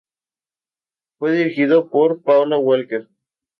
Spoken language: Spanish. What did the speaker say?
El video fue dirigido por Paula Walker.